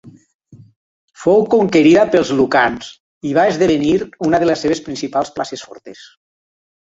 Fou conquerida pels lucans i va esdevenir una de les seves principals places fortes.